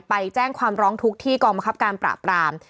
ไปแจ้งความร้องทุกข์ที่กองบังคับการปราบราม